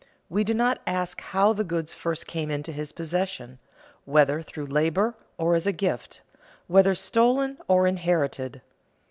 We do not ask how the goods first came into his possession, whether through labor or as a gift, whether stolen or inherited.